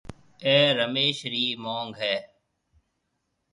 اَي رميش رِي مونڱ هيَ۔